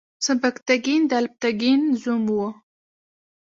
سبکتګین د الپتکین زوم و.